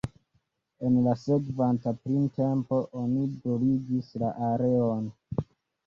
En la sekvanta printempo oni bruligis la areon.